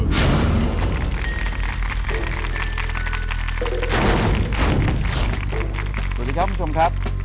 สวัสดีครับคุณผู้ชมครับ